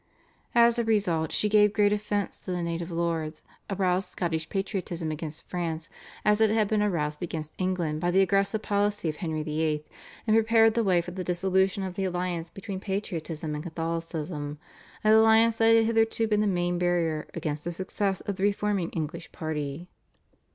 As a result she gave great offence to the native lords, aroused Scottish patriotism against France as it had been aroused against England by the aggressive policy of Henry VIII., and prepared the way for the dissolution of the alliance between patriotism and Catholicism, an alliance that had hitherto been the main barrier against the success of the reforming English party.